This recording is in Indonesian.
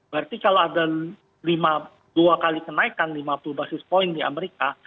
berarti kalau ada dua kali kenaikan lima puluh basis point di amerika